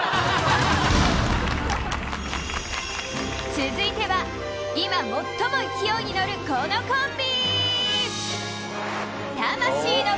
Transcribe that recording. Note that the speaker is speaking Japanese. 続いては今最も勢いに乗るこのコンビ！